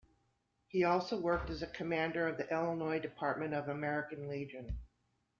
He also worked as a commander of the Illinois Department of the American Legion.